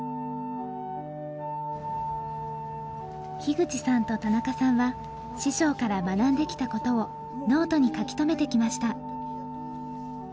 口さんと田中さんは師匠から学んできたことをノートに書き留めてきました。